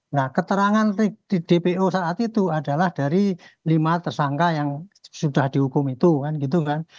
nah keterangan di dpo saat itu adalah dari lima tersangka yang sudah dihukum itu kan gitu kan